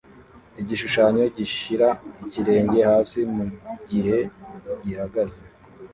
Igishushanyo gishyira ikirenge hasi mugihe gihagaze